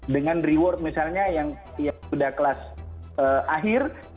dengan reward misalnya yang sudah kelas akhir